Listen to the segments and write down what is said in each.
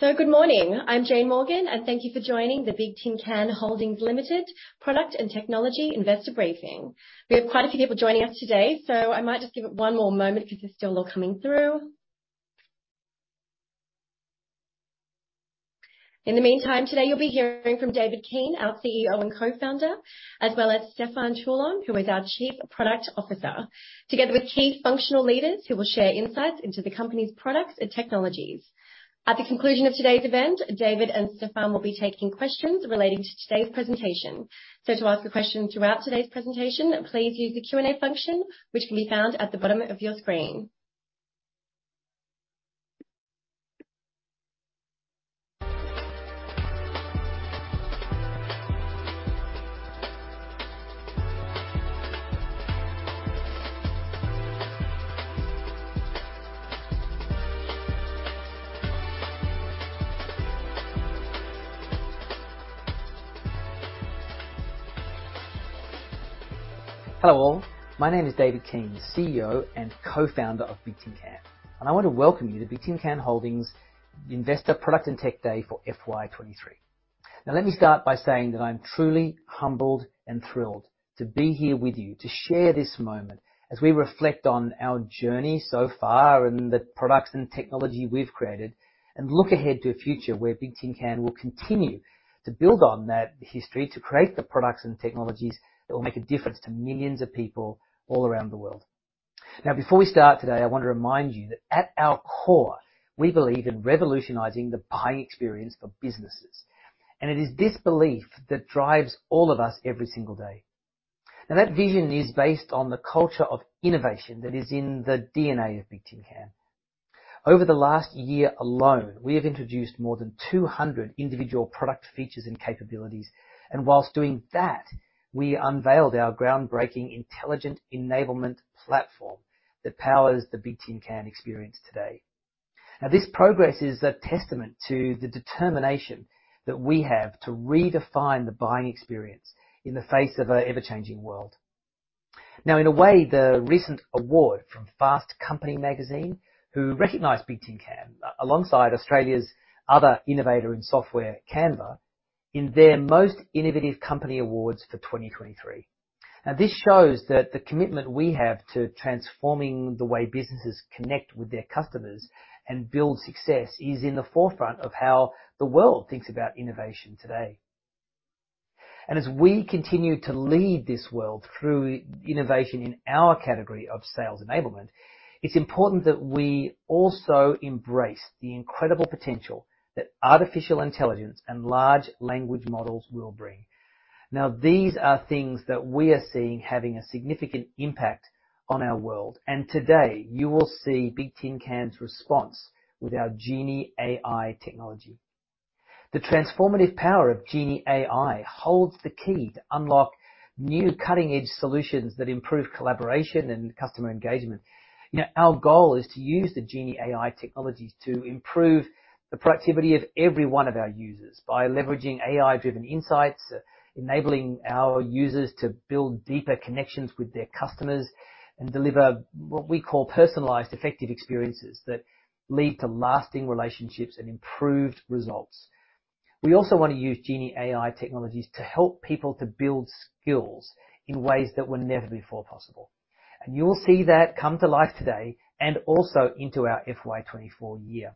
Good morning. I'm Jane Morgan, thank you for joining the Bigtincan Holdings Limited Product and Technology Investor Briefing. We have quite a few people joining us today, I might just give it one more moment because they're still all coming through. In the meantime, today you'll be hearing from David Keane, our CEO and co-founder, as well as Stefan Teulon, who is our Chief Product Officer, together with key functional leaders who will share insights into the company's products and technologies. At the conclusion of today's event, David and Stefan will be taking questions relating to today's presentation. To ask a question throughout today's presentation, please use the Q&A function, which can be found at the bottom of your screen. Hello all. My name is David Keane, CEO and Co-founder of Bigtincan. I want to welcome you to Bigtincan Holdings Investor Product and Tech Day for FY 23. Let me start by saying that I'm truly humbled and thrilled to be here with you to share this moment as we reflect on our journey so far and the products and technology we've created, and look ahead to a future where Bigtincan will continue to build on that history to create the products and technologies that will make a difference to millions of people all around the world. Before we start today, I want to remind you that at our core, we believe in revolutionizing the buying experience for businesses. It is this belief that drives all of us every single day. That vision is based on the culture of innovation that is in the DNA of Bigtincan. Over the last year alone, we have introduced more than 200 individual product features and capabilities. Whilst doing that, we unveiled our groundbreaking Intelligent Enablement Platform that powers the Bigtincan experience today. This progress is a testament to the determination that we have to redefine the buying experience in the face of an ever-changing world. In a way, the recent award from Fast Company, who recognized Bigtincan alongside Australia's other innovator in software, Canva, in their most innovative company awards for 2023. This shows that the commitment we have to transforming the way businesses connect with their customers and build success is in the forefront of how the world thinks about innovation today. As we continue to lead this world through innovation in our category of sales enablement, it's important that we also embrace the incredible potential that artificial intelligence and large language models will bring. These are things that we are seeing having a significant impact on our world. Today, you will see Bigtincan's response with our GenieAI technology. The transformative power of GenieAI holds the key to unlock new cutting-edge solutions that improve collaboration and customer engagement. You know, our goal is to use the GenieAI technologies to improve the productivity of every one of our users by leveraging AI-driven insights, enabling our users to build deeper connections with their customers and deliver what we call personalized, effective experiences that lead to lasting relationships and improved results. We also want to use GenieAI technologies to help people to build skills in ways that were never before possible. You will see that come to life today and also into our FY 2024 year.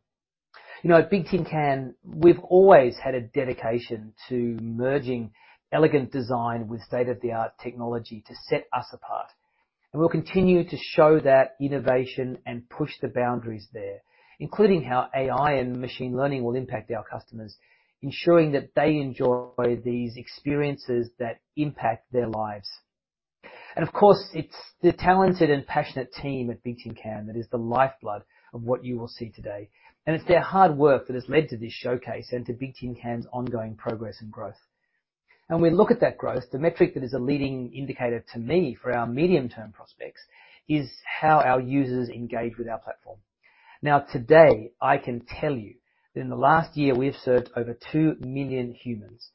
You know, at Bigtincan, we've always had a dedication to merging elegant design with state-of-the-art technology to set us apart. We'll continue to show that innovation and push the boundaries there, including how AI and machine learning will impact our customers, ensuring that they enjoy these experiences that impact their lives. Of course, it's the talented and passionate team at Bigtincan that is the lifeblood of what you will see today. It's their hard work that has led to this showcase and to Bigtincan's ongoing progress and growth. We look at that growth, the metric that is a leading indicator to me for our medium-term prospects is how our users engage with our platform. Now, today, I can tell you that in the last year, we have served over two million humans.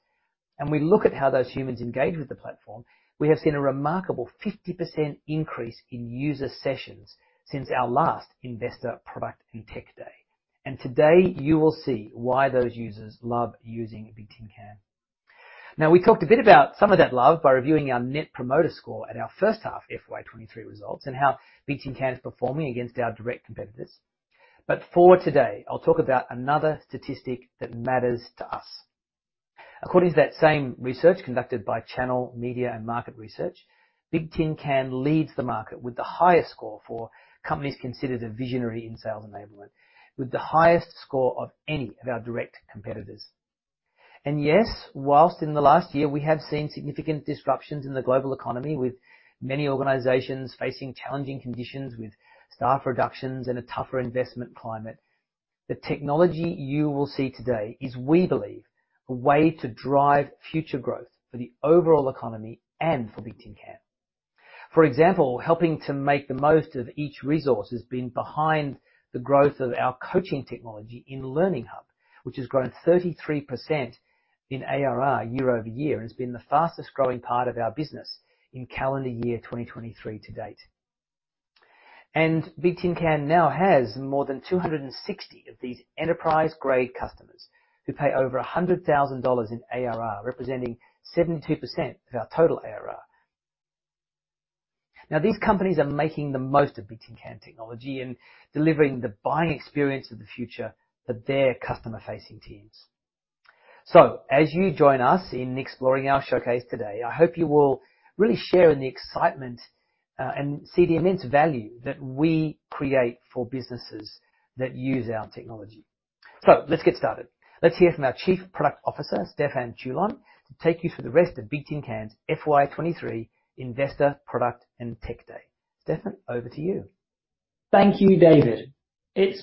We look at how those humans engage with the platform, we have seen a remarkable 50% increase in user sessions since our last Investor Product and Tech Day. Today, you will see why those users love using Bigtincan. Now, we talked a bit about some of that love by reviewing our Net Promoter Score at our first half FY23 results and how Bigtincan is performing against our direct competitors. For today, I'll talk about another statistic that matters to us. According to that same research conducted by Channel, Media and Market Research, Bigtincan leads the market with the highest score for companies considered a visionary in sales enablement, with the highest score of any of our direct competitors. Yes, whilst in the last year, we have seen significant disruptions in the global economy, with many organizations facing challenging conditions with staff reductions and a tougher investment climate. The technology you will see today is, we believe, a way to drive future growth for the overall economy and for Bigtincan. For example, helping to make the most of each resource has been behind the growth of our coaching technology in Learning Hub, which has grown 33% in ARR year-over-year has been the fastest-growing part of our business in calendar year 2023 to date. Bigtincan now has more than 260 of these enterprise-grade customers who pay over $100,000 in ARR, representing 72% of our total ARR. These companies are making the most of Bigtincan technology and delivering the buying experience of the future for their customer-facing teams. As you join us in exploring our showcase today, I hope you will really share in the excitement and see the immense value that we create for businesses that use our technology. Let's get started. Let's hear from our Chief Product Officer, Stefan Teulon, to take you through the rest of Bigtincan's FY 23 Investor Product and Tech Day. Stefan, over to you. Thank you, David. It's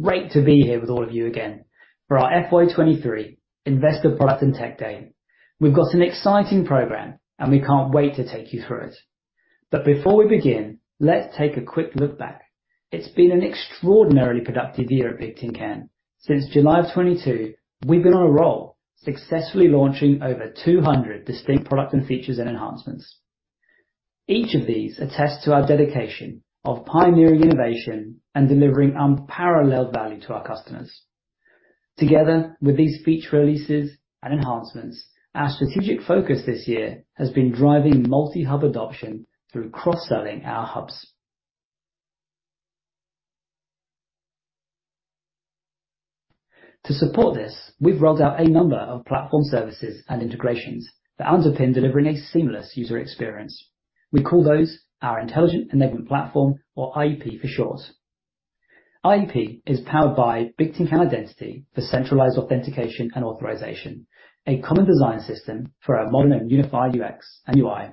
great to be here with all of you again for our FY 2023 Investor Product and Tech Day. We've got an exciting program, we can't wait to take you through it. Before we begin, let's take a quick look back. It's been an extraordinarily productive year at Bigtincan. Since July of 2022, we've been on a roll, successfully launching over 200 distinct products and features and enhancements. Each of these attests to our dedication of pioneering innovation and delivering unparalleled value to our customers. Together with these feature releases and enhancements, our strategic focus this year has been driving multi-hub adoption through cross-selling our hubs. To support this, we've rolled out a number of platform services and integrations that underpin delivering a seamless user experience. We call those our Intelligent Enablement Platform, or IEP for short. IEP is powered by Bigtincan Identity for centralized authentication and authorization, a common design system for our modern and unified UX and UI,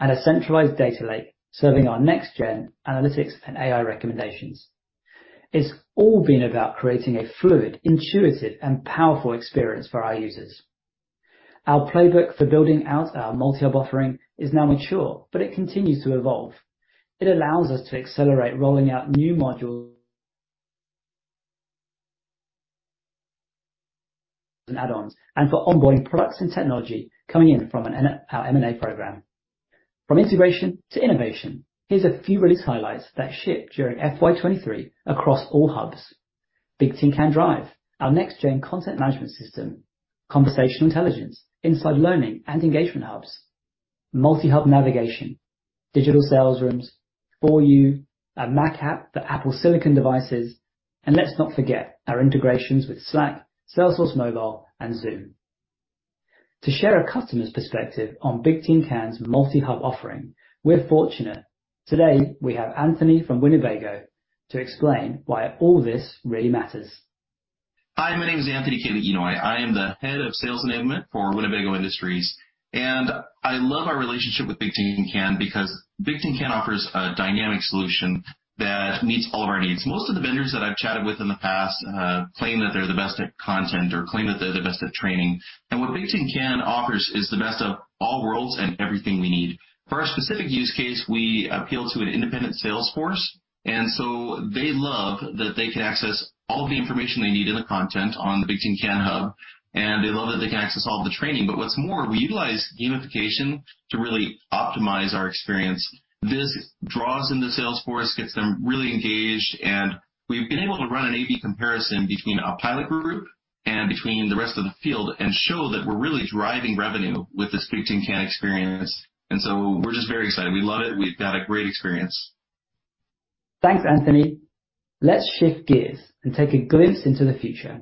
and a centralized data lake serving our next-gen analytics and AI recommendations. It's all been about creating a fluid, intuitive, and powerful experience for our users. Our playbook for building out our multi-hub offering is now mature, but it continues to evolve. It allows us to accelerate rolling out new modules and add-ons and for onboarding products and technology coming in from our M&A program. From integration to innovation, here's a few release highlights that shipped during FY 2023 across all hubs. Bigtincan Drive, our next-gen content management system, conversational intelligence inside Learning Hubs and Engagement Hubs, multi-hub navigation, Digital Sales Rooms, For You, a Mac app for Apple silicon devices. Let's not forget our integrations with Slack, Salesforce Mobile, and Zoom. To share a customer's perspective on Bigtincan's multi-hub offering, we're fortunate. Today, we have Anthony from Winnebago to explain why all this really matters. Hi, my name is Anthony Keliinoi. I am the head of sales enablement for Winnebago Industries. I love our relationship with Bigtincan because Bigtincan offers a dynamic solution that meets all of our needs. Most of the vendors that I've chatted with in the past, claim that they're the best at content or claim that they're the best at training. What Bigtincan offers is the best of all worlds and everything we need. For our specific use case, we appeal to an independent sales force. They love that they can access all the information they need in the content on the Bigtincan hub, and they love that they can access all the training. What's more, we utilize gamification to really optimize our experience. This draws in the sales force, gets them really engaged, and we've been able to run an AB comparison between our pilot group and between the rest of the field and show that we're really driving revenue with this Bigtincan experience. We're just very excited. We love it. We've got a great experience. Thanks, Anthony. Let's shift gears and take a glimpse into the future.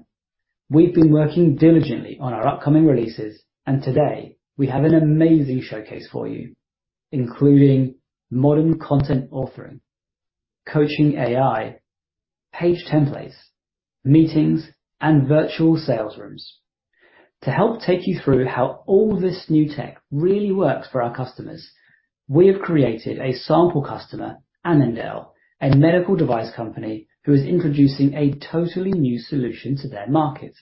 We've been working diligently on our upcoming releases, today we have an amazing showcase for you, including modern content authoring, Coaching AI, Page Templates, Meetings, and virtual sales rooms. To help take you through how all this new tech really works for our customers, we have created a sample customer, Annandale, a medical device company who is introducing a totally new solution to their market.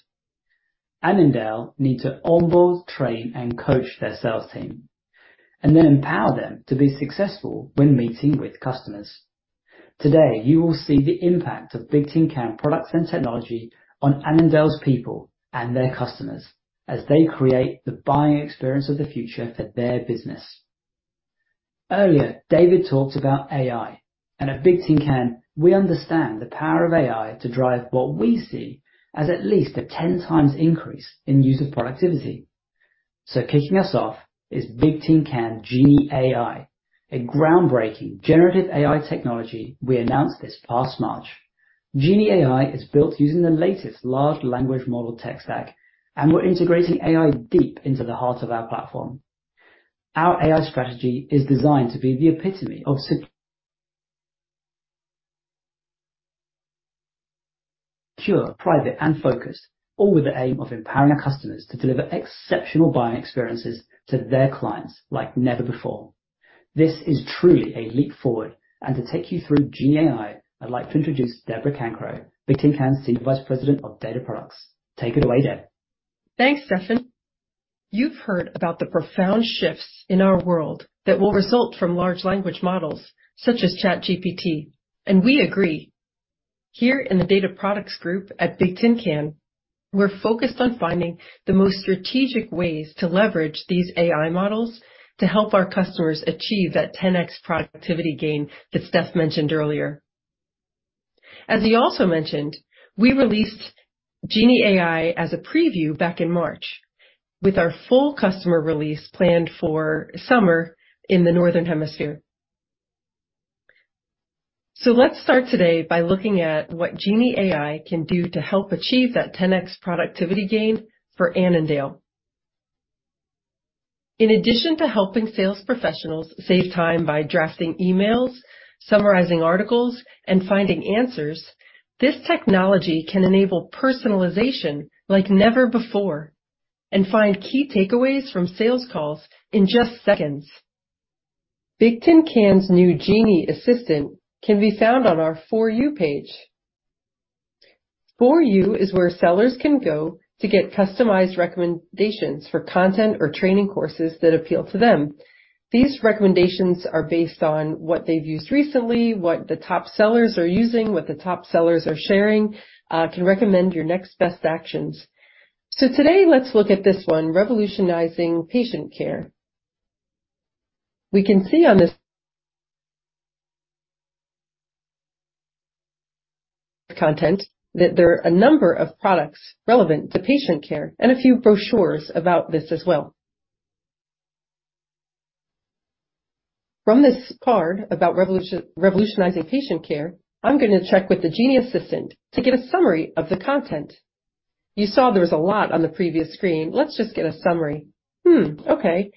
Annandale need to onboard, train, and coach their sales team and then empower them to be successful when meeting with customers. Today, you will see the impact of Bigtincan products and technology on Annandale's people and their customers as they create the buying experience of the future for their business. Earlier, David talked about AI. At Bigtincan, we understand the power of AI to drive what we see as at least a 10 times increase in user productivity. Kicking us off is Bigtincan GenieAI, a groundbreaking generative AI technology we announced this past March. GenieAI is built using the latest large language model tech stack. We're integrating AI deep into the heart of our platform. Our AI strategy is designed to be the epitome of secure, private, and focused, all with the aim of empowering our customers to deliver exceptional buying experiences to their clients like never before. This is truly a leap forward. To take you through GenieAI, I'd like to introduce Debra Cancro, Bigtincan's Senior Vice President of Data Products. Take it away, Deb. Thanks, Stefan. You've heard about the profound shifts in our world that will result from large language models such as ChatGPT. We agree Here in the Data Products Group at Bigtincan, we're focused on finding the most strategic ways to leverage these AI models to help our customers achieve that 10x productivity gain that Steph mentioned earlier. As he also mentioned, we released GenieAI as a preview back in March, with our full customer release planned for summer in the Northern Hemisphere. Let's start today by looking at what GenieAI can do to help achieve that 10x productivity gain for Annandale. In addition to helping sales professionals save time by drafting emails, summarizing articles, and finding answers, this technology can enable personalization like never before and find key takeaways from sales calls in just seconds. Bigtincan's new Genie assistant can be found on our For You page. For You is where sellers can go to get customized recommendations for content or training courses that appeal to them. These recommendations are based on what they've used recently, what the top sellers are using, what the top sellers are sharing, to recommend your next best actions. Today, let's look at this one, revolutionizing patient care. We can see on this content that there are a number of products relevant to patient care and a few brochures about this as well. From this card about revolutionizing patient care, I'm gonna check with the Genie assistant to get a summary of the content. You saw there was a lot on the previous screen. Let's just get a summary. Okay.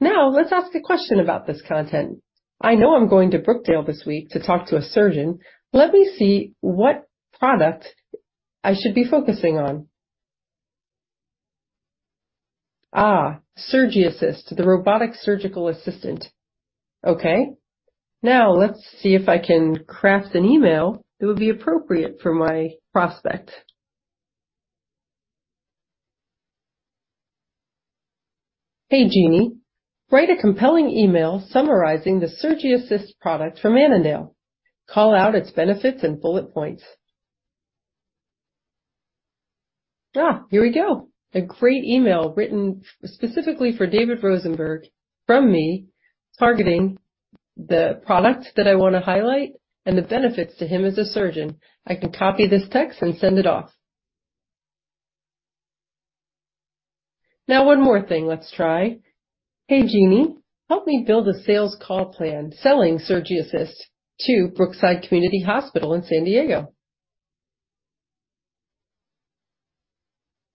Now let's ask a question about this content. I know I'm going to Brookdale this week to talk to a surgeon. Let me see what product I should be focusing on. SurgiAssist, the robotic surgical assistant. Okay. Let's see if I can craft an email that would be appropriate for my prospect. Hey, Genie, write a compelling email summarizing the SurgiAssist product from Annandale. Call out its benefits and bullet points. Here we go. A great email written specifically for David Rosenberg from me, targeting the product that I wanna highlight and the benefits to him as a surgeon. I can copy this text and send it off. One more thing let's try. Hey, Genie, help me build a sales call plan selling SurgiAssist to Brookside Community Hospital in San Diego.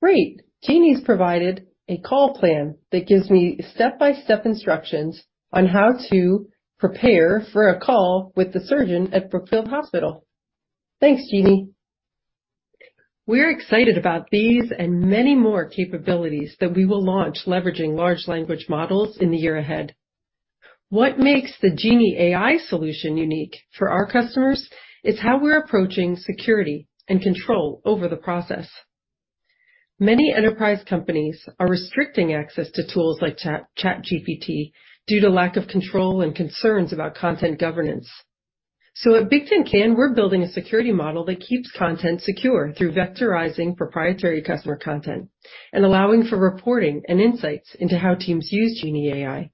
Great. Genie's provided a call plan that gives me step-by-step instructions on how to prepare for a call with the surgeon at Brookfield Hospital. Thanks, Genie. We're excited about these and many more capabilities that we will launch leveraging large language models in the year ahead. What makes the GenieAI solution unique for our customers is how we're approaching security and control over the process. Many enterprise companies are restricting access to tools like Chat, ChatGPT due to lack of control and concerns about content governance. At Bigtincan, we're building a security model that keeps content secure through vectorizing proprietary customer content and allowing for reporting and insights into how teams use GenieAI.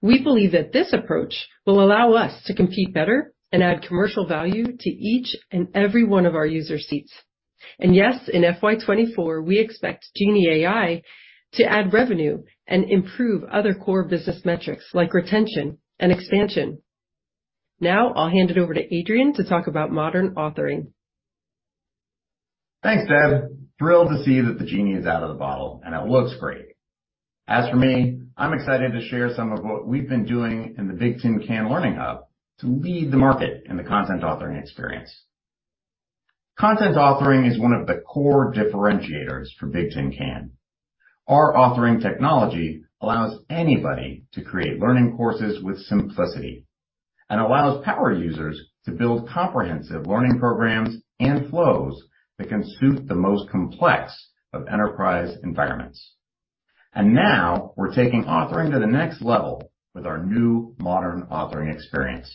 We believe that this approach will allow us to compete better and add commercial value to each and every one of our user seats. Yes, in FY 2024, we expect GenieAI to add revenue and improve other core business metrics like retention and expansion. I'll hand it over to Adrian to talk about modern authoring. Thanks, Deb. Thrilled to see that the Genie is out of the bottle, it looks great. As for me, I'm excited to share some of what we've been doing in the Bigtincan Learning Hub to lead the market in the content authoring experience. Content authoring is one of the core differentiators for Bigtincan. Our authoring technology allows anybody to create learning courses with simplicity and allows power users to build comprehensive learning programs and flows that can suit the most complex of enterprise environments. Now we're taking authoring to the next level with our new modern authoring experience.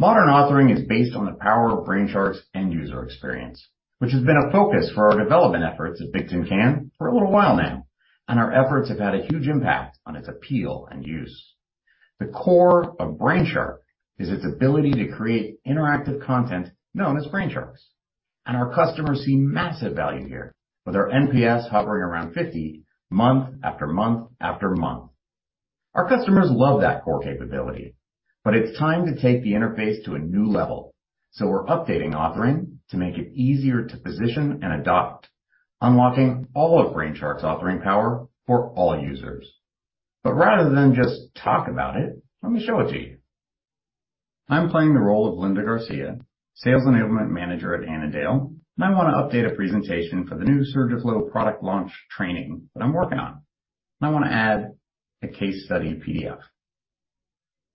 Modern authoring is based on the power of Brainshark's end user experience, which has been a focus for our development efforts at Bigtincan for a little while now, our efforts have had a huge impact on its appeal and use. The core of Brainshark is its ability to create interactive content known as Brainsharks. Our customers see massive value here with our NPS hovering around 50 month after month after month. Our customers love that core capability. It's time to take the interface to a new level. We're updating authoring to make it easier to position and adopt, unlocking all of Brainshark's authoring power for all users. Rather than just talk about it, let me show it to you. I'm playing the role of Linda Garcia, sales enablement manager at Annandale. I wanna update a presentation for the new SurgiFlow little product launch training that I'm working on. I wanna add a case study PDF.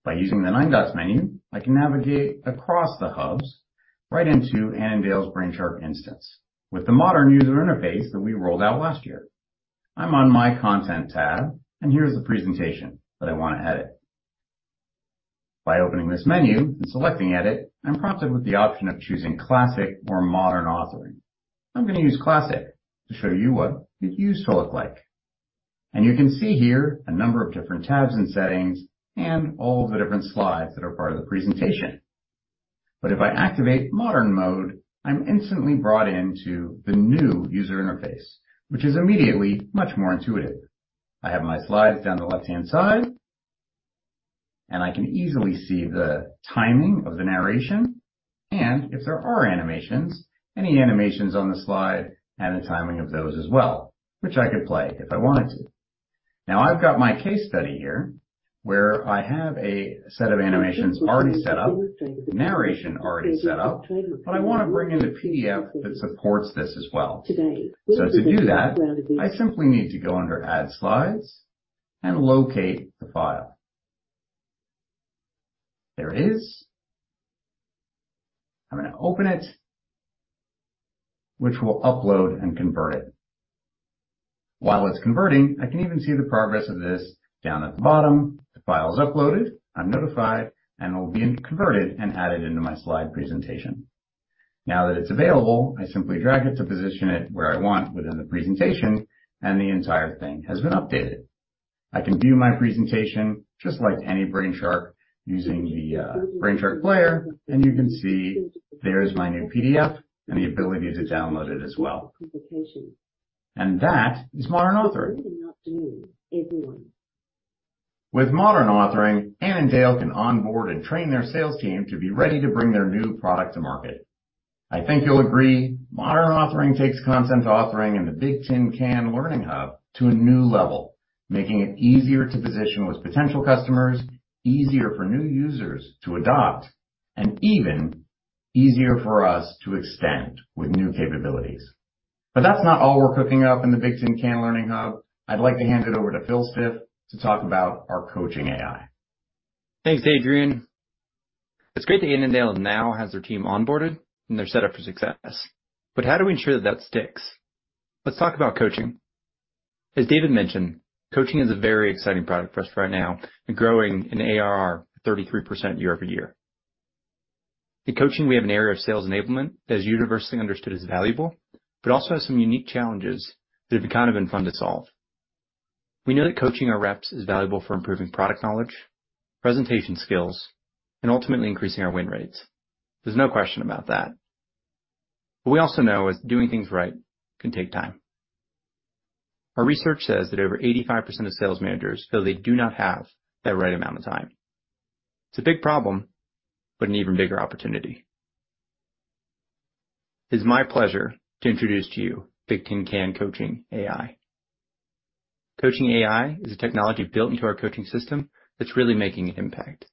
By using the nine-dots menu, I can navigate across the hubs right into Annandale's Brainshark instance with the modern user interface that we rolled out last year. I'm on My Content tab, here's the presentation that I wanna edit. By opening this menu and selecting Edit, I'm prompted with the option of choosing classic or modern authoring. I'm gonna use classic to show you what it used to look like. You can see here a number of different tabs and settings and all the different slides that are part of the presentation. If I activate modern mode, I'm instantly brought into the new user interface, which is immediately much more intuitive. I have my slides down the left-hand side, and I can easily see the timing of the narration, and if there are animations, any animations on the slide and the timing of those as well, which I could play if I wanted to. I've got my case study here where I have a set of animations already set up, narration already set up, but I wanna bring in a PDF that supports this as well. To do that, I simply need to go under Add slides and locate the file. There it is. I'm gonna open it, which will upload and convert it. While it's converting, I can even see the progress of this down at the bottom. The file is uploaded, I'm notified, and it will be converted and added into my slide presentation. That it's available, I simply drag it to position it where I want within the presentation, and the entire thing has been updated. I can view my presentation just like any Brainshark using the Brainshark player, and you can see there's my new PDF and the ability to download it as well. That is modern authoring. With modern authoring, Annandale can onboard and train their sales team to be ready to bring their new product to market. I think you'll agree modern authoring takes content authoring in the Bigtincan Learning Hub to a new level, making it easier to position with potential customers, easier for new users to adopt, and even easier for us to extend with new capabilities. That's not all we're cooking up in the Bigtincan Learning Hub. I'd like to hand it over to Phil Stiff to talk about our Coaching AI. Thanks, Dave Green. It's great that Annandale now has their team onboarded, and they're set up for success. How do we ensure that sticks? Let's talk about coaching. As David mentioned, coaching is a very exciting product for us right now and growing in ARR 33% year-over-year. In coaching, we have an area of sales enablement that is universally understood as valuable but also has some unique challenges that have been kind of been fun to solve. We know that coaching our reps is valuable for improving product knowledge, presentation skills, and ultimately increasing our win rates. There's no question about that. We also know is doing things right can take time. Our research says that over 85% of sales managers feel they do not have that right amount of time. It's a big problem, but an even bigger opportunity. It is my pleasure to introduce to you Bigtincan Coaching AI. Coaching AI is a technology built into our coaching system that's really making an impact.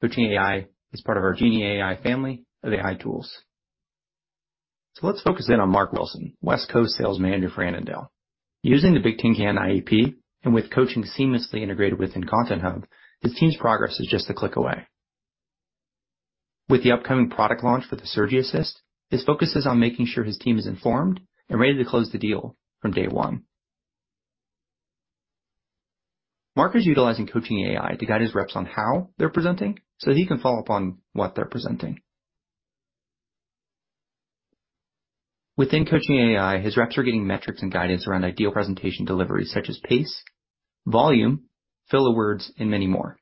Coaching AI is part of our GenieAI family of AI tools. Let's focus in on Mark Wilson, West Coast Sales Manager for Annandale. Using the Bigtincan IEP and with coaching seamlessly integrated within Content Hub, his team's progress is just a click away. With the upcoming product launch for the SurgiAssist, his focus is on making sure his team is informed and ready to close the deal from day one. Mark is utilizing Coaching AI to guide his reps on how they're presenting so that he can follow up on what they're presenting. Within Coaching AI, his reps are getting metrics and guidance around ideal presentation deliveries such as pace, volume, filler words, and many more.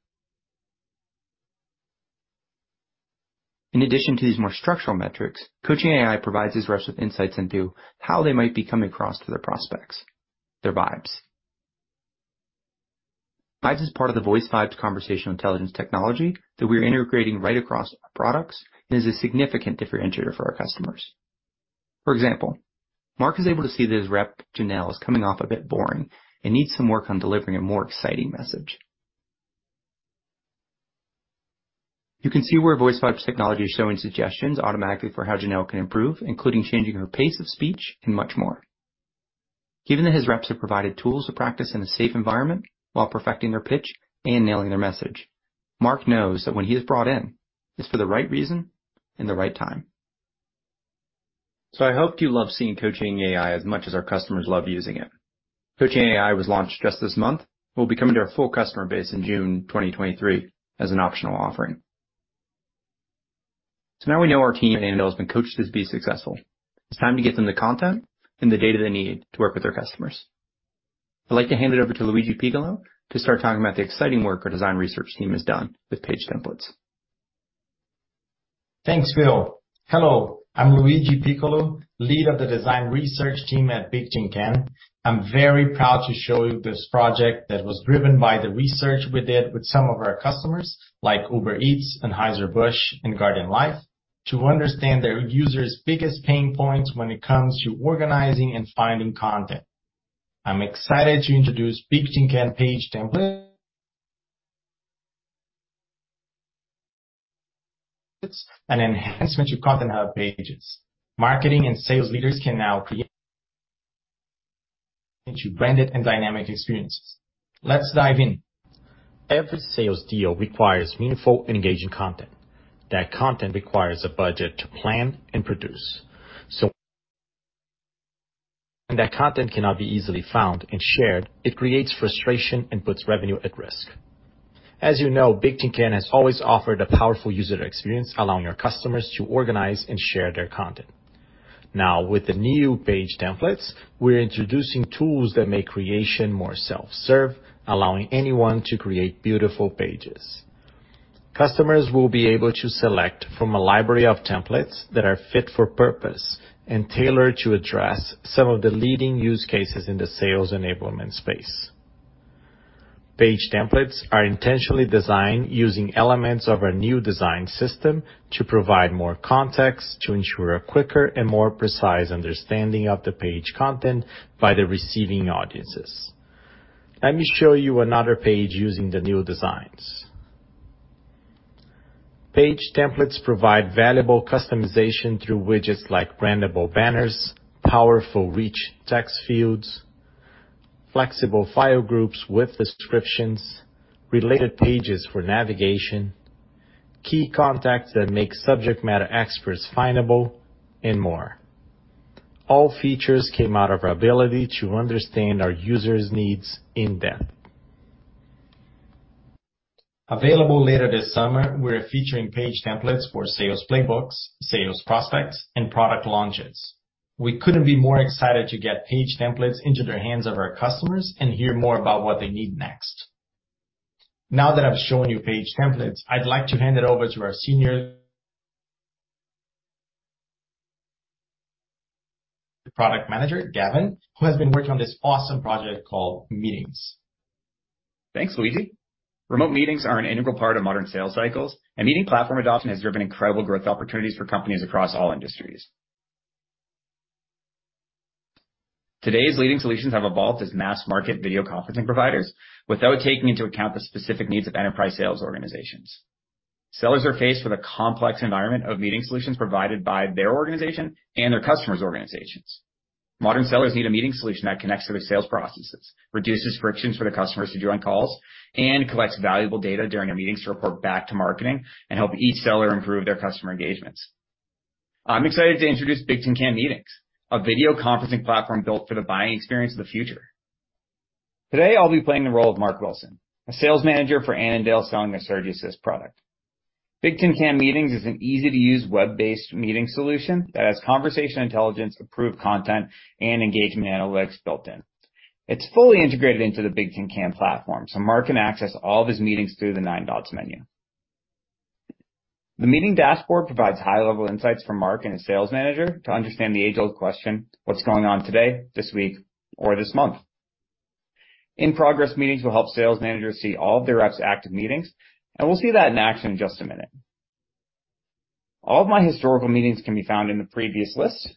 In addition to these more structural metrics, Coaching AI provides his reps with insights into how they might be coming across to their prospects, their vibes. Vibes is part of the VoiceVibes conversational intelligence technology that we're integrating right across our products and is a significant differentiator for our customers. For example, Mark is able to see that his rep, Janelle, is coming off a bit boring and needs some work on delivering a more exciting message. You can see where VoiceVibes technology is showing suggestions automatically for how Janelle can improve, including changing her pace of speech and much more. Given that his reps have provided tools to practice in a safe environment while perfecting their pitch and nailing their message, Mark knows that when he is brought in, it's for the right reason and the right time. I hope you love seeing Coaching AI as much as our customers love using it. Coaching AI was launched just this month, will be coming to our full customer base in June 2023 as an optional offering. Now we know our team at Annandale has been coached to be successful. It's time to get them the content and the data they need to work with their customers. I'd like to hand it over to Luigi Piccolo to start talking about the exciting work our design research team has done with page templates. Thanks, Phil. Hello, I'm Luigi Piccolo, Lead, Design Research at Bigtincan. I'm very proud to show you this project that was driven by the research we did with some of our customers like Uber Eats, Anheuser-Busch, and Guardian Life to understand their users' biggest pain points when it comes to organizing and finding content. I'm excited to introduce Bigtincan Page Templates. An enhancement to Content Hub pages. Marketing and sales leaders can now create branded and dynamic experiences. Let's dive in. Every sales deal requires meaningful, engaging content. That content requires a budget to plan and produce. That content cannot be easily found and shared. It creates frustration and puts revenue at risk. As you know, Bigtincan has always offered a powerful user experience, allowing our customers to organize and share their content. Now, with the new Bigtincan Page Templates, we're introducing tools that make creation more self-serve, allowing anyone to create beautiful pages. Customers will be able to select from a library of templates that are fit for purpose and tailored to address some of the leading use cases in the sales enablement space. Bigtincan Page Templates are intentionally designed using elements of our new design system to provide more context to ensure a quicker and more precise understanding of the page content by the receiving audiences. Let me show you another page using the new designs. Bigtincan Page Templates provide valuable customization through widgets like brandable banners, powerful reach text fields, flexible file groups with descriptions, related pages for navigation, key contacts that make subject matter experts findable, and more. All features came out of our ability to understand our users' needs in-depth. Available later this summer, we're featuring page templates for sales playbooks, sales prospects, and product launches. We couldn't be more excited to get page templates into the hands of our customers and hear more about what they need next. Now that I've shown you page templates, I'd like to hand it over to our senior product manager, Gavin, who has been working on this awesome project called Meetings. Thanks, Luiz. Remote meetings are an integral part of modern sales cycles, and meeting platform adoption has driven incredible growth opportunities for companies across all industries. Today's leading solutions have evolved as mass-market video conferencing providers without taking into account the specific needs of enterprise sales organizations. Sellers are faced with a complex environment of meeting solutions provided by their organization and their customer's organizations. Modern sellers need a meeting solution that connects to their sales processes, reduces friction for their customers to join calls, and collects valuable data during their meetings to report back to marketing and help each seller improve their customer engagements. I'm excited to introduce Bigtincan Meetings, a video conferencing platform built for the buying experience of the future. Today, I'll be playing the role of Mark Wilson, a sales manager for Annandale selling a SurgiAssist product. Bigtincan Meetings is an easy-to-use, web-based meeting solution that has conversational intelligence, approved content, and engagement analytics built in. It's fully integrated into the Bigtincan platform. Mark can access all of his meetings through the 9 dots menu. The meeting dashboard provides high-level insights from Mark and his sales manager to understand the age-old question, what's going on today, this week, or this month? In progress meetings will help sales managers see all of their reps' active meetings. We'll see that in action in just a minute. All of my historical meetings can be found in the previous list.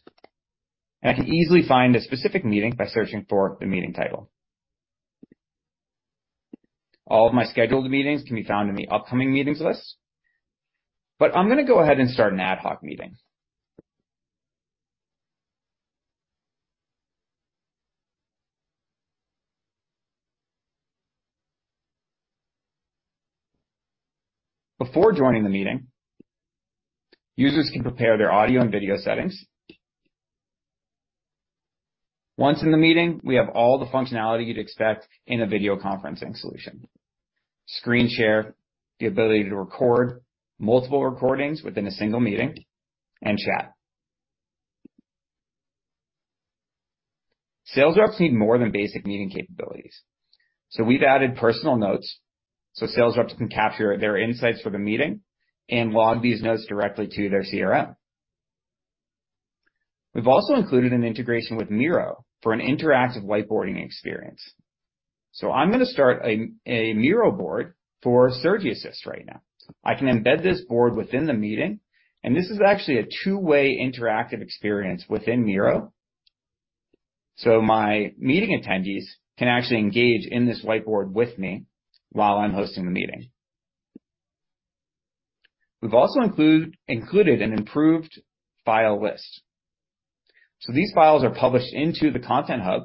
I can easily find a specific meeting by searching for the meeting title. All of my scheduled meetings can be found in the upcoming meetings list. I'm gonna go ahead and start an ad hoc meeting. Before joining the meeting, users can prepare their audio and video settings. Once in the meeting, we have all the functionality you'd expect in a video conferencing solution. Screen share, the ability to record multiple recordings within a single meeting, and chat. Sales reps need more than basic meeting capabilities. We've added personal notes, so sales reps can capture their insights for the meeting and log these notes directly to their CRM. We've also included an integration with Miro for an interactive whiteboarding experience. I'm gonna start a Miro board for SurgiAssist right now. I can embed this board within the meeting, and this is actually a two-way interactive experience within Miro. My meeting attendees can actually engage in this whiteboard with me while I'm hosting the meeting. We've also included an improved file list. These files are published into the Content Hub,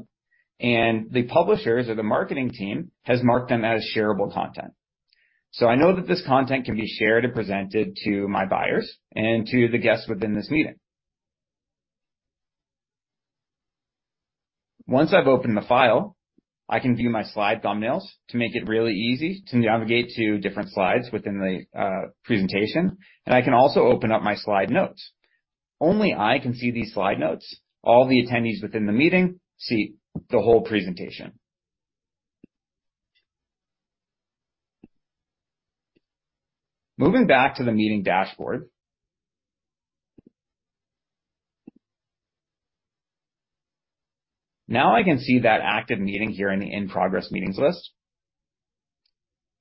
and the publishers or the marketing team has marked them as shareable content. I know that this content can be shared and presented to my buyers and to the guests within this meeting. Once I've opened the file, I can view my slide thumbnails to make it really easy to navigate to different slides within the presentation, and I can also open up my slide notes. Only I can see these slide notes. All the attendees within the meeting see the whole presentation. Moving back to the meeting dashboard. Now I can see that active meeting here in the in-progress meetings list.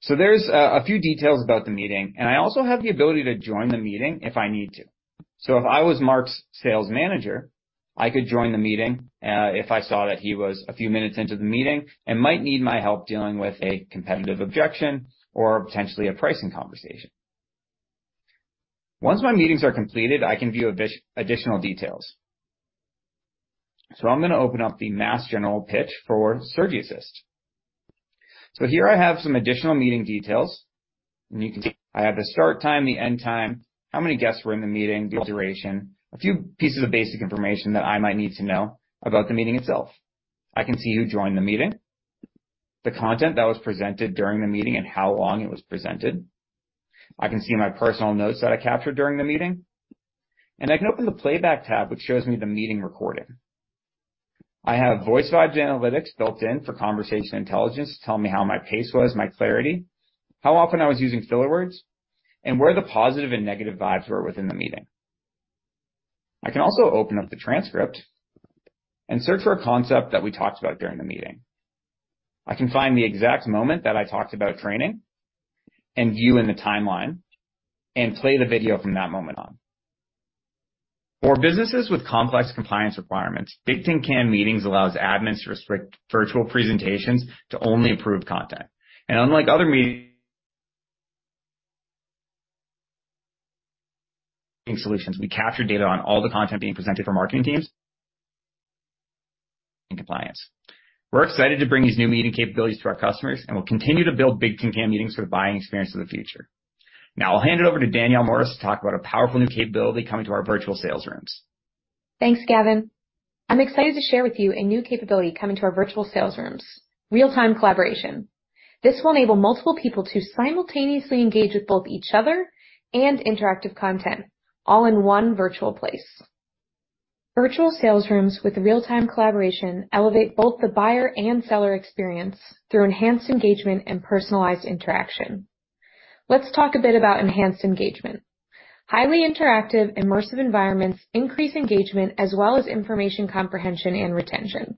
There's a few details about the meeting, and I also have the ability to join the meeting if I need to. If I was Mark's sales manager, I could join the meeting, if I saw that he was a few minutes into the meeting and might need my help dealing with a competitive objection or potentially a pricing conversation. Once my meetings are completed, I can view additional details. I'm going to open up the Mass General pitch for SurgiAssist. Here I have some additional meeting details, and you can see I have the start time, the end time, how many guests were in the meeting, the duration, a few pieces of basic information that I might need to know about the meeting itself. I can see who joined the meeting, the content that was presented during the meeting, and how long it was presented. I can see my personal notes that I captured during the meeting, and I can open the Playback tab, which shows me the meeting recording. I have VoiceVibes analytics built in for conversational intelligence to tell me how my pace was, my clarity, how often I was using filler words, and where the positive and negative vibes were within the meeting. I can also open up the transcript and search for a concept that we talked about during the meeting. I can find the exact moment that I talked about training and view in the timeline and play the video from that moment on. For businesses with complex compliance requirements, Bigtincan Meetings allows admins to restrict virtual presentations to only approved content. Unlike other meeting solutions, we capture data on all the content being presented for marketing teams in compliance. We're excited to bring these new meeting capabilities to our customers. We'll continue to build Bigtincan Meetings for the buying experience of the future. I'll hand it over to Danielle Morris to talk about a powerful new capability coming to our virtual sales rooms. Thanks, Gavin. I'm excited to share with you a new capability coming to our virtual sales rooms: real-time collaboration. This will enable multiple people to simultaneously engage with both each other and interactive content, all in one virtual place. Virtual sales rooms with real-time collaboration elevate both the buyer and seller experience through enhanced engagement and personalized interaction. Let's talk a bit about enhanced engagement. Highly interactive, immersive environments increase engagement as well as information comprehension and retention.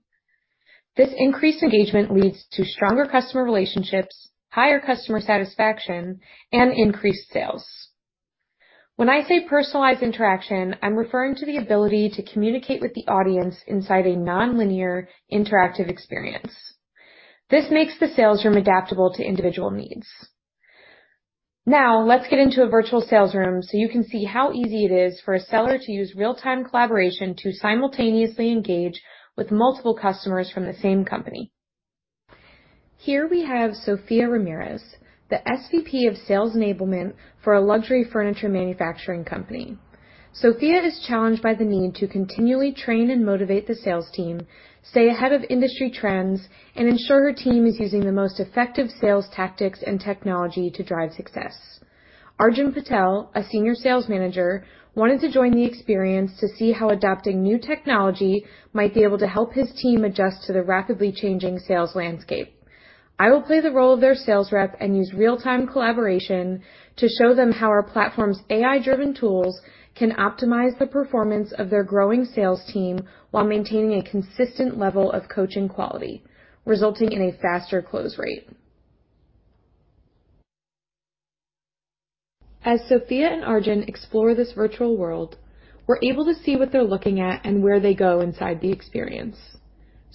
This increased engagement leads to stronger customer relationships, higher customer satisfaction, and increased sales. When I say personalized interaction, I'm referring to the ability to communicate with the audience inside a nonlinear interactive experience. This makes the sales room adaptable to individual needs. Let's get into a virtual sales room so you can see how easy it is for a seller to use real-time collaboration to simultaneously engage with multiple customers from the same company. Here we have Sophia Ramirez, the SVP of Sales Enablement for a luxury furniture manufacturing company. Sophia is challenged by the need to continually train and motivate the sales team, stay ahead of industry trends, and ensure her team is using the most effective sales tactics and technology to drive success. Arjun Patel, a senior sales manager, wanted to join the experience to see how adopting new technology might be able to help his team adjust to the rapidly changing sales landscape. I will play the role of their sales rep and use real-time collaboration to show them how our platform's AI-driven tools can optimize the performance of their growing sales team while maintaining a consistent level of coaching quality, resulting in a faster close rate. As Sophia and Arjun explore this virtual world, we're able to see what they're looking at and where they go inside the experience.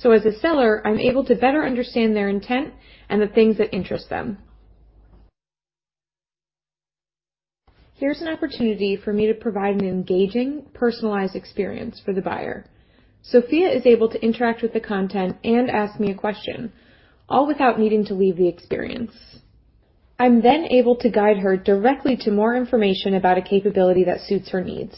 As a seller, I'm able to better understand their intent and the things that interest them. Here's an opportunity for me to provide an engaging, personalized experience for the buyer. Sophia is able to interact with the content and ask me a question, all without needing to leave the experience. I'm able to guide her directly to more information about a capability that suits her needs.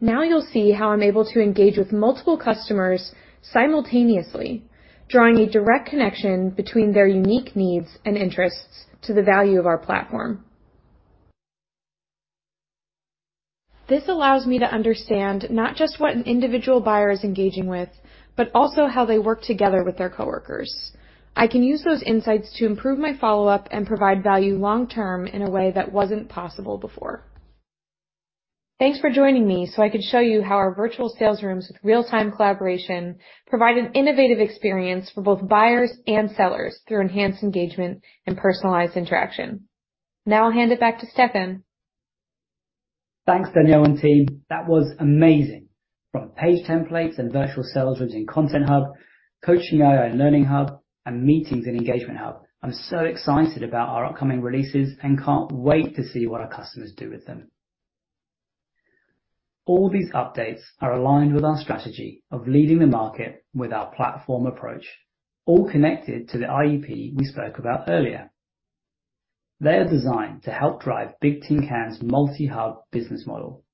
You'll see how I'm able to engage with multiple customers simultaneously, drawing a direct connection between their unique needs and interests to the value of our platform. This allows me to understand not just what an individual buyer is engaging with, but also how they work together with their coworkers. I can use those insights to improve my follow-up and provide value long term in a way that wasn't possible before. Thanks for joining me so I could show you how our virtual Digital Sales Rooms with real-time collaboration provide an innovative experience for both buyers and sellers through enhanced engagement and personalized interaction. I'll hand it back to Stefan. Thanks, Danielle and team. That was amazing. From Page Templates and Digital Sales Rooms in Content Hub, Coaching AI in Learning Hub, and Meetings in Engagement Hub, I'm so excited about our upcoming releases and can't wait to see what our customers do with them. All these updates are aligned with our strategy of leading the market with our platform approach, all connected to the IEP we spoke about earlier. They are designed to help drive Bigtincan's multi-hub business model.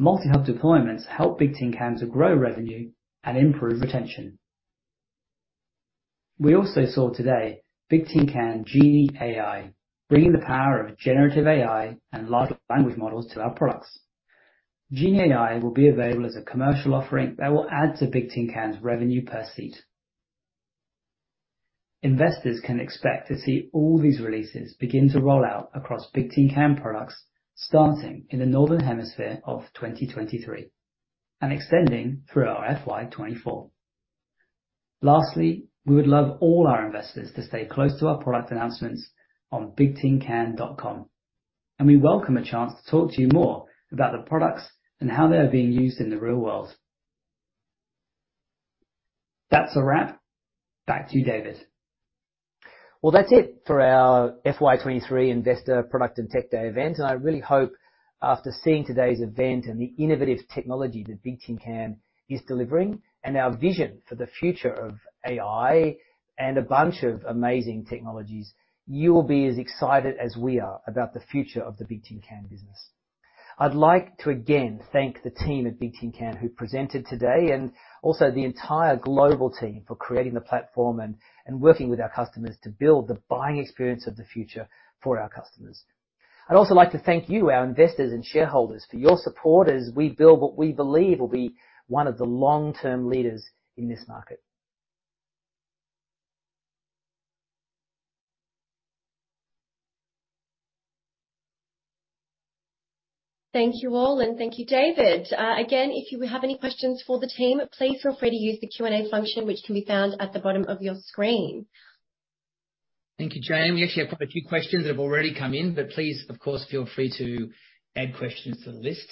Multi-hub deployments help Bigtincan to grow revenue and improve retention. We also saw today Bigtincan GenieAI bringing the power of generative AI and large language models to our products. GenieAI will be available as a commercial offering that will add to Bigtincan's revenue per seat. Investors can expect to see all these releases begin to roll out across Bigtincan products starting in the Northern Hemisphere of 2023 and extending through our FY 24. Lastly, we would love all our investors to stay close to our product announcements on bigtincan.com, and we welcome a chance to talk to you more about the products and how they are being used in the real world. That's a wrap. Back to you, David. Well, that's it for our FY 2023 Investor Product and Tech Day Event. I really hope after seeing today's event and the innovative technology that Bigtincan is delivering and our vision for the future of AI and a bunch of amazing technologies, you will be as excited as we are about the future of the Bigtincan business. I'd like to again thank the team at Bigtincan who presented today and also the entire global team for creating the platform and working with our customers to build the buying experience of the future for our customers. I'd also like to thank you, our investors and shareholders, for your support as we build what we believe will be one of the long-term leaders in this market. Thank you all, and thank you, David. Again, if you have any questions for the team, please feel free to use the Q&A function which can be found at the bottom of your screen. Thank you, Jane. We actually have quite a few questions that have already come in, but please, of course, feel free to add questions to the list.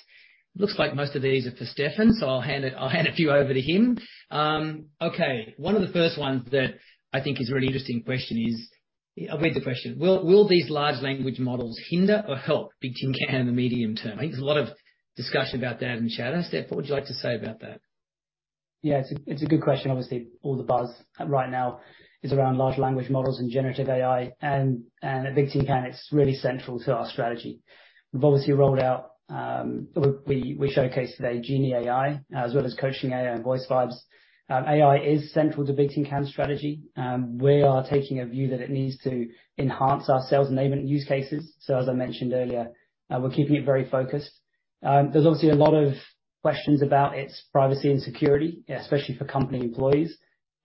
Looks like most of these are for Stefan, so I'll hand a few over to him. Okay. One of the first ones that I think is a really interesting question is. I'll read the question. Will these large language models hinder or help Bigtincan in the medium term? I think there's a lot of discussion about that in chat. Stefan, what would you like to say about that? Yeah, it's a good question. All the buzz right now is around large language models and generative AI, and at Bigtincan, it's really central to our strategy. We've obviously rolled out, we showcased today GenieAI, as well as Coaching AI and VoiceVibes. AI is central to Bigtincan's strategy. We are taking a view that it needs to enhance our sales enablement use cases. As I mentioned earlier, we're keeping it very focused. There's obviously a lot of questions about its privacy and security, especially for company employees.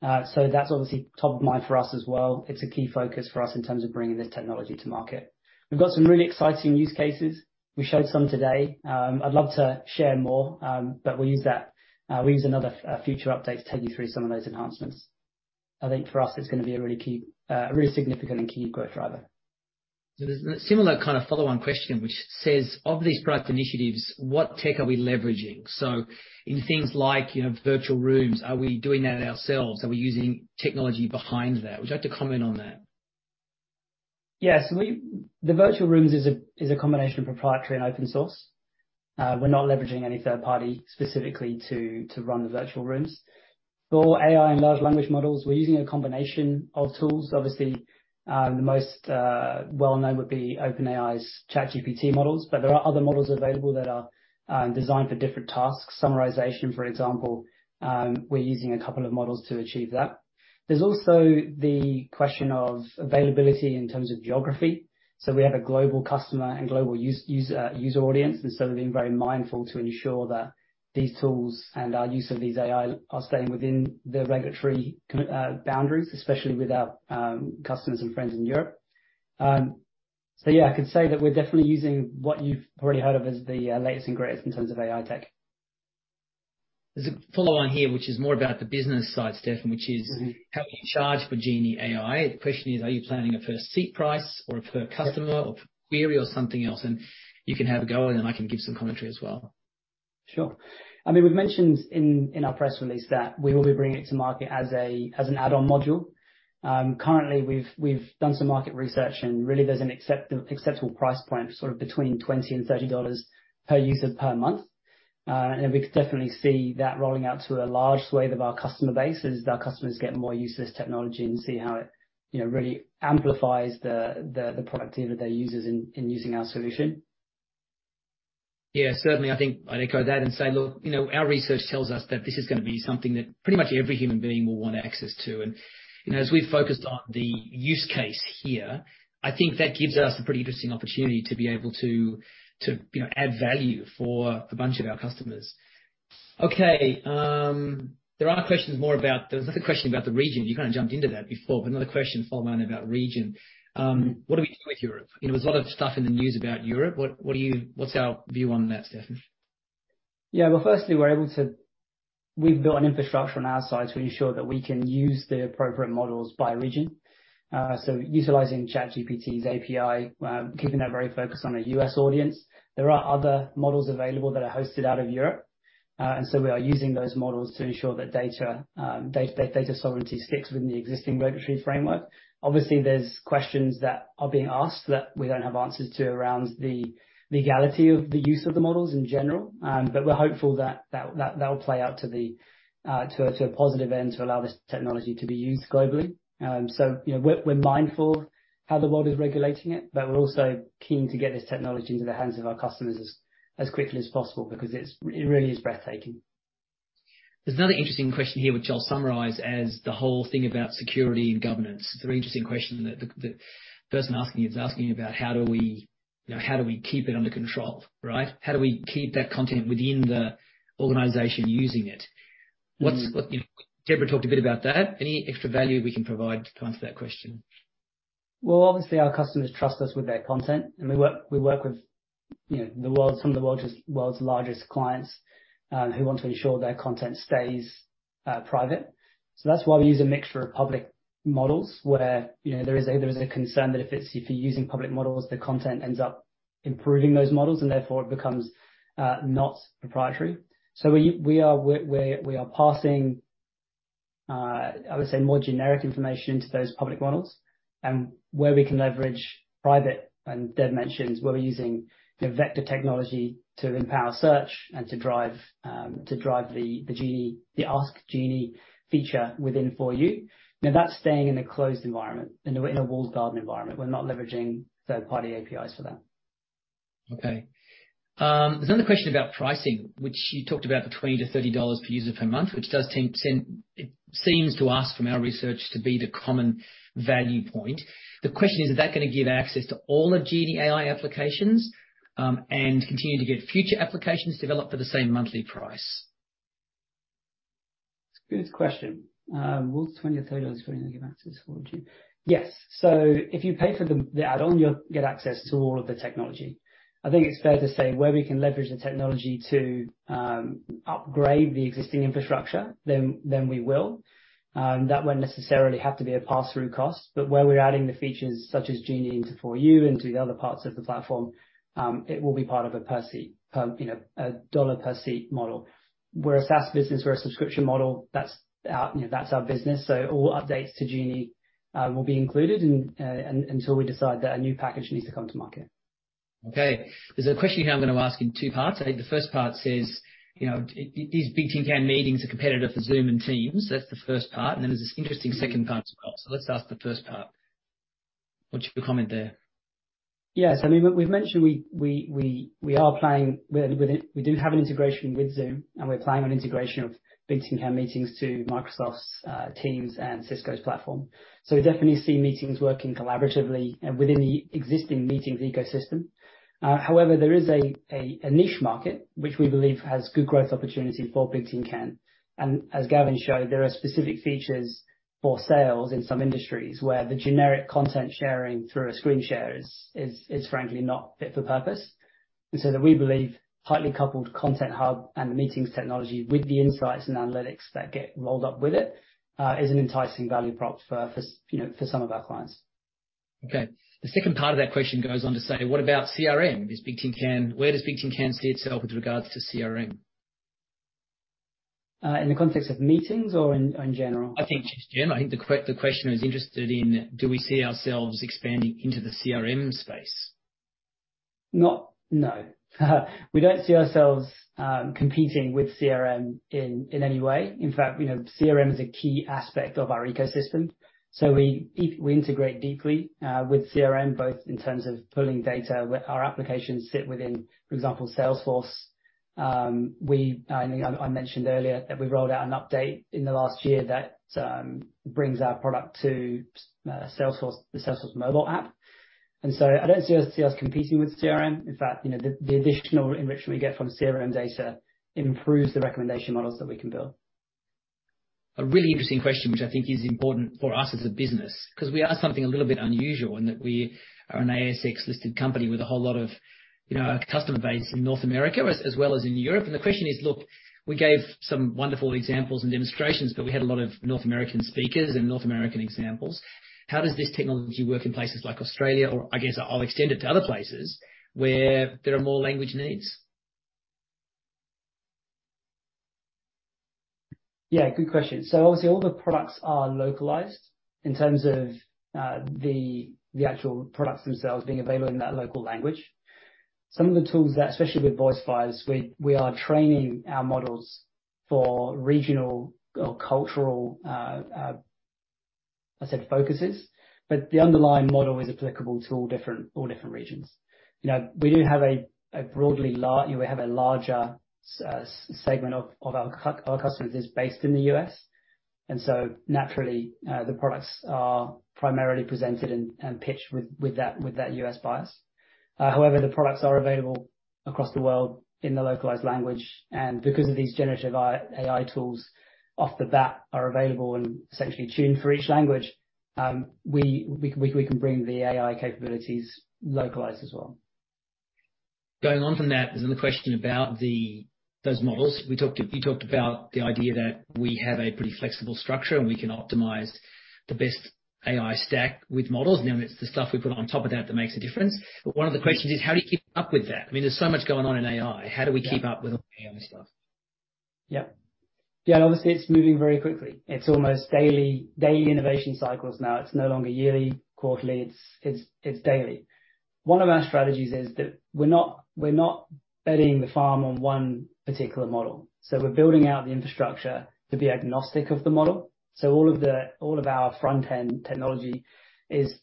That's obviously top of mind for us as well. It's a key focus for us in terms of bringing this technology to market. We've got some really exciting use cases. We showed some today. I'd love to share more, but we'll use that, we'll use another, future update to take you through some of those enhancements. I think for us, it's gonna be a really key, a really significant and key growth driver. There's a similar kind of follow-on question which says: Of these product initiatives, what tech are we leveraging? In things like, you know, virtual rooms, are we doing that ourselves? Are we using technology behind that? Would you like to comment on that? Yes. The virtual rooms is a combination of proprietary and open source. We're not leveraging any third party specifically to run the virtual rooms. For AI and large language models, we're using a combination of tools. Obviously, the most well-known would be OpenAI's ChatGPT models, but there are other models available that are designed for different tasks. Summarization, for example, we're using a couple of models to achieve that. There's also the question of availability in terms of geography. We have a global customer and global user audience, we're being very mindful to ensure that these tools and our use of these AI are staying within the regulatory boundaries, especially with our customers and friends in Europe. Yeah, I can say that we're definitely using what you've already heard of as the latest and greatest in terms of AI tech. There's a follow on here which is more about the business side, Stefan, which is. Mm-hmm. How do you charge for GenieAI? The question is, are you planning a per seat price or a per customer or per query or something else? You can have a go and then I can give some commentary as well. Sure. I mean, we've mentioned in our press release that we will be bringing it to market as an add-on module. Currently we've done some market research and really there's an acceptable price point, sort of between $20-$30 per user per month. We could definitely see that rolling out to a large swathe of our customer base as our customers get more use of this technology and see how it, you know, really amplifies the productivity of their users in using our solution. Yeah, certainly. I think I'd echo that and say, look, you know, our research tells us that this is gonna be something that pretty much every human being will want access to. You know, as we've focused on the use case here, I think that gives us a pretty interesting opportunity to be able to, you know, add value for a bunch of our customers. Okay, there are questions. There was another question about the region. You kind of jumped into that before, another question following on about region. What do we do with Europe? You know, there's a lot of stuff in the news about Europe. What's our view on that, Stefan? Yeah. Well, firstly, We've built an infrastructure on our side to ensure that we can use the appropriate models by region. Utilizing ChatGPT's API, keeping that very focused on a U.S. audience. There are other models available that are hosted out of Europe. We are using those models to ensure that data sovereignty sticks within the existing regulatory framework. Obviously, there's questions that are being asked that we don't have answers to around the legality of the use of the models in general. We're hopeful that that'll play out to a positive end to allow this technology to be used globally. You know, we're mindful of how the world is regulating it, but we're also keen to get this technology into the hands of our customers as quickly as possible because it's, it really is breathtaking. There's another interesting question here which I'll summarize as the whole thing about security and governance. It's a very interesting question that the person asking is asking about how do we, you know, how do we keep it under control, right? How do we keep that content within the organization using it? What, you know. Debra talked a bit about that. Any extra value we can provide to answer that question? Obviously, our customers trust us with their content, and we work with, you know, some of the world's largest clients, who want to ensure their content stays private. That's why we use a mixture of public models where, you know, there is a concern that if you're using public models, the content ends up improving those models and therefore it becomes not proprietary. We are passing, I would say, more generic information to those public models and where we can leverage private, and Deb mentioned where we're using the vector technology to empower search and to drive the Genie, the Ask Genie feature within For You. That's staying in a closed environment, in a walled garden environment. We're not leveraging third-party APIs for that. Okay. There's another question about pricing, which you talked about between $20-$30 per user per month, which does tend it seems to us from our research to be the common value point. The question is that gonna give access to all the GenieAI applications and continue to get future applications developed for the same monthly price? It's a good question. Will $20 or $30 per user give access to all of Genie? Yes. If you pay for the add-on, you'll get access to all of the technology. I think it's fair to say where we can leverage the technology to upgrade the existing infrastructure, then we will. That won't necessarily have to be a pass-through cost, but where we're adding the features such as Genie into For You and to the other parts of the platform, it will be part of a per seat, you know, a $1 per seat model. We're a SaaS business, we're a subscription model. That's our, you know, that's our business. All updates to Genie will be included until we decide that a new package needs to come to market. Okay. There's a question here I'm gonna ask in two parts. I think the first part says, you know, is Bigtincan Meetings a competitor for Zoom and Teams? That's the first part. Then there's this interesting second part as well. Let's ask the first part. What's your comment there? Yes. I mean, we've mentioned we do have an integration with Zoom, and we're planning on integration of Bigtincan Meetings to Microsoft's Teams and Cisco's platform. We definitely see Meetings working collaboratively within the existing Meetings ecosystem. However, there is a niche market which we believe has good growth opportunity for Bigtincan. As Gavin showed, there are specific features for sales in some industries where the generic content sharing through a screen share is frankly not fit for purpose. We believe tightly coupled Content Hub and the Meetings technology with the insights and analytics that get rolled up with it, is an enticing value prop for, you know, for some of our clients. The second part of that question goes on to say, what about CRM? Where does Bigtincan see itself with regards to CRM? In the context of Meetings or in general? I think just general. I think the questioner is interested in do we see ourselves expanding into the CRM space? Not, no. We don't see ourselves competing with CRM in any way. In fact, you know, CRM is a key aspect of our ecosystem, so we integrate deeply with CRM, both in terms of pulling data. Our applications sit within, for example, Salesforce. I think I mentioned earlier that we rolled out an update in the last year that brings our product to Salesforce, the Salesforce mobile app. I don't see us competing with CRM. In fact, you know, the additional enrichment we get from CRM data improves the recommendation models that we can build. A really interesting question, which I think is important for us as a business, 'cause we are something a little bit unusual in that we are an ASX-listed company with a whole lot of, you know, customer base in North America as well as in Europe. The question is, look, we gave some wonderful examples and demonstrations, but we had a lot of North American speakers and North American examples. How does this technology work in places like Australia or I guess I'll extend it to other places where there are more language needs? Yeah, good question. Obviously all the products are localized in terms of the actual products themselves being available in that local language. Some of the tools that, especially with VoiceVibes, we are training our models for regional or cultural, I said focuses, but the underlying model is applicable to all different regions. You know, we do have a larger segment of our customers is based in the US, and so naturally, the products are primarily presented and pitched with that US bias. However, the products are available across the world in the localized language, and because of these generative AI tools off the bat are available and essentially tuned for each language, we can bring the AI capabilities localized as well. Going on from that, there's another question about those models. You talked about the idea that we have a pretty flexible structure, we can optimize the best AI stack with models. It's the stuff we put on top of that that makes a difference. One of the questions is, how do you keep up with that? I mean, there's so much going on in AI. Yeah. How do we keep up with all the AI stuff? Yeah, obviously it's moving very quickly. It's almost daily innovation cycles now. It's no longer yearly, quarterly. It's daily. One of our strategies is that we're not betting the farm on one particular model. We're building out the infrastructure to be agnostic of the model. All of our front-end technology is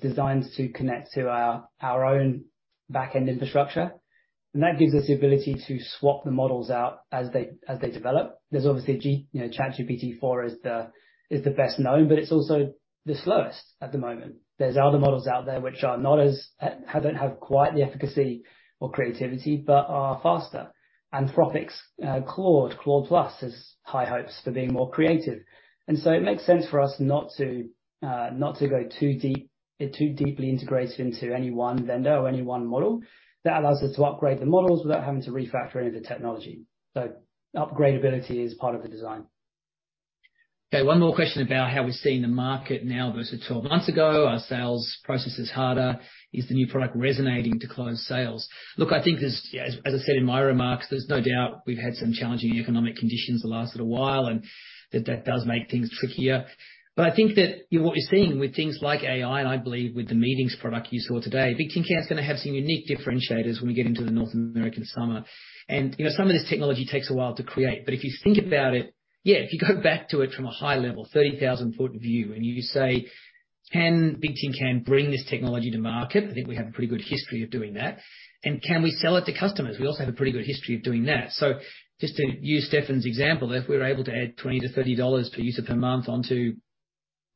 designed to connect to our own back-end infrastructure, and that gives us the ability to swap the models out as they develop. There's obviously, you know, GPT-4 is the best known, but it's also the slowest at the moment. There's other models out there which are not as, haven't have quite the efficacy or creativity but are faster. Anthropic's Claude Pro has high hopes for being more creative. It makes sense for us not to go too deeply integrated into any one vendor or any one model. That allows us to upgrade the models without having to refactor any of the technology. Upgradeability is part of the design. Okay, one more question about how we're seeing the market now versus 12 months ago. Are sales processes harder? Is the new product resonating to close sales? I think there's, as I said in my remarks, there's no doubt we've had some challenging economic conditions the last little while, and that does make things trickier. I think that what we're seeing with things like AI, and I believe with the meetings product you saw today, Bigtincan is gonna have some unique differentiators when we get into the North American summer. You know, some of this technology takes a while to create. If you think about it, if you go back to it from a high level, 30,000 foot view, and you say, "Can Bigtincan bring this technology to market?" I think we have a pretty good history of doing that. Can we sell it to customers? We also have a pretty good history of doing that. Just to use Stefan's example, if we're able to add $20-$30 per user per month onto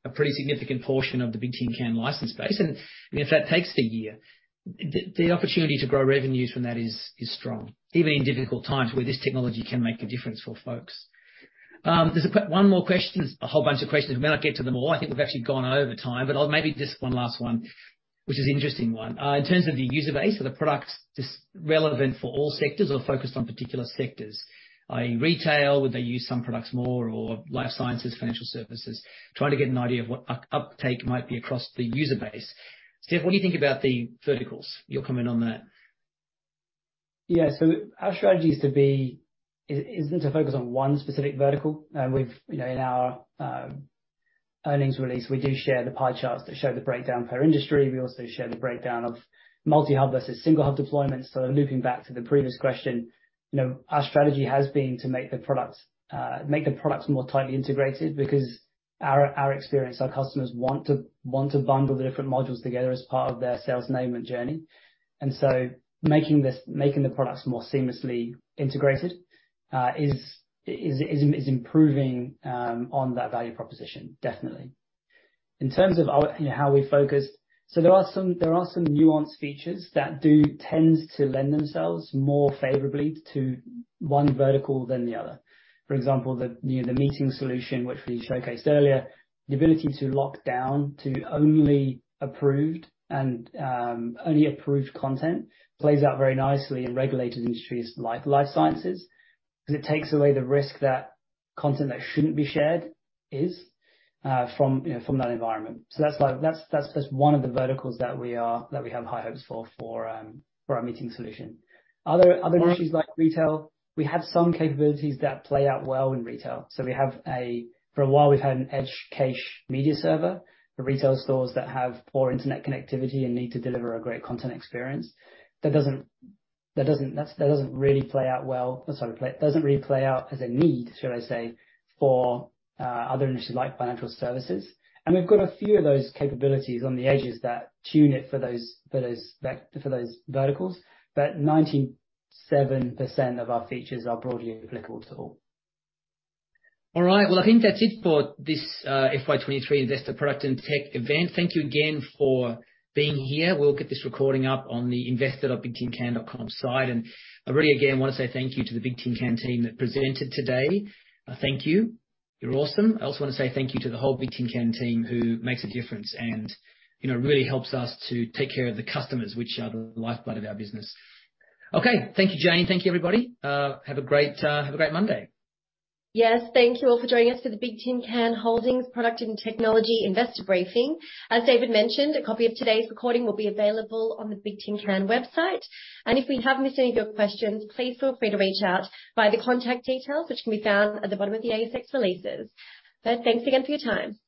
a pretty significant portion of the Bigtincan license base, and, I mean, if that takes a year, the opportunity to grow revenues from that is strong, even in difficult times where this technology can make a difference for folks. There's one more question. There's a whole bunch of questions. We might not get to them all. I think we've actually gone over time, but I'll maybe just one last one, which is an interesting one. In terms of the user base, are the products just relevant for all sectors or focused on particular sectors? i.e. retail, would they use some products more or life sciences, financial services? Trying to get an idea of what uptake might be across the user base. Stef, what do you think about the verticals? Your comment on that. Yeah. Our strategy is to focus on one specific vertical. You know, in our earnings release, we do share the pie charts that show the breakdown per industry. We also share the breakdown of multi-hub versus single-hub deployments. Looping back to the previous question, you know, our strategy has been to make the products more tightly integrated because our experience, our customers want to bundle the different modules together as part of their sales enablement journey. Making the products more seamlessly integrated is improving on that value proposition, definitely. In terms of our, you know, how we focus, there are some nuanced features that do tend to lend themselves more favorably to one vertical than the other. For example, the, you know, the meeting solution which we showcased earlier, the ability to lock down to only approved and only approved content plays out very nicely in regulated industries like life sciences, 'cause it takes away the risk that content that shouldn't be shared is from, you know, from that environment. That's like, that's one of the verticals that we are, that we have high hopes for our meeting solution. Other industries like retail, we have some capabilities that play out well in retail. For a while, we've had an edge cache media server for retail stores that have poor internet connectivity and need to deliver a great content experience. That doesn't really play out well. Sorry. It doesn't really play out as a need, should I say, for other industries like financial services. We've got a few of those capabilities on the edges that tune it for those, for those back, for those verticals. 97% of our features are broadly applicable to all. All right. Well, I think that's it for this FY 2023 Investor Product and Tech event. Thank you again for being here. We'll get this recording up on the investor.bigtincan.com site. I really again wanna say thank you to the Bigtincan team that presented today. Thank you. You're awesome. I also wanna say thank you to the whole Bigtincan team who makes a difference and, you know, really helps us to take care of the customers, which are the lifeblood of our business. Okay. Thank you, Jane. Thank you, everybody. Have a great, have a great Monday. Yes. Thank you all for joining us for the Bigtincan Holdings Product and Technology Investor Briefing. As David mentioned, a copy of today's recording will be available on the Bigtincan website. If we have missed any of your questions, please feel free to reach out via the contact details, which can be found at the bottom of the ASX releases. Thanks again for your time.